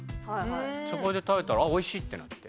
そこで食べたら「美味しい！！」ってなって。